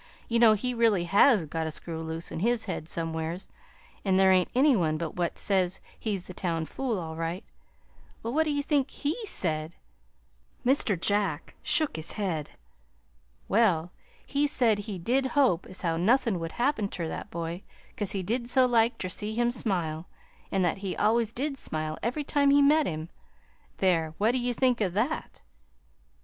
You know he really HAS got a screw loose in his head somewheres, an' there ain't any one but what says he's the town fool, all right. Well, what do ye think HE said?" Mr. Jack shook his head. "Well, he said he did hope as how nothin' would happen ter that boy cause he did so like ter see him smile, an' that he always did smile every time he met him! There, what do ye think o' that?"